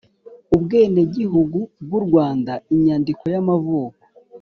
ubwenegihugu bw’u rwanda inyandiko y’amavuko